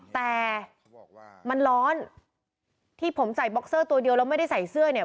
แต่มันร้อนที่ผมใส่บ็อกเซอร์ตัวเดียวแล้วไม่ได้ใส่เสื้อเนี่ย